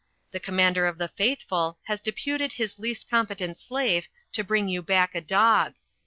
The Commander of the Faithful has de puted his least competent slave to bring you back a dog.